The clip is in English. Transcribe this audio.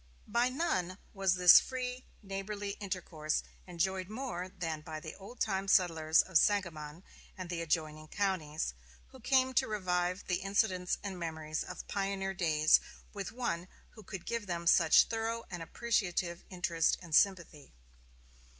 By none was this free, neighborly intercourse enjoyed more than by the old time settlers of Sangamon and the adjoining counties, who came to revive the incidents and memories of pioneer days with one who could give them such thorough and appreciative interest and sympathy.